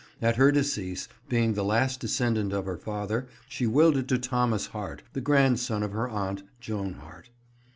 At her decease, being the last descendant of her father, she willed it to Thomas Hart, the grandson of her aunt, Joan Hart.